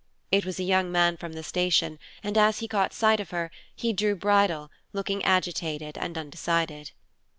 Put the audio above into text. It was a young man from the station, and as he caught sight of her, he drew bridle, looking agitated and undecided.